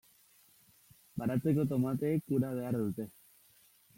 Baratzeko tomateek ura behar dute.